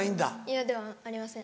嫌ではありません。